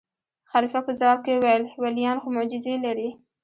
خلیفه په ځواب کې وویل: ولیان خو معجزې لري.